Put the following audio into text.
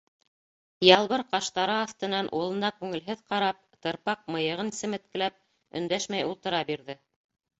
Ялбыр ҡаштары аҫтынан улына күңелһеҙ ҡарап, тырпаҡ мыйығын семеткеләп, өндәшмәй ултыра бирҙе.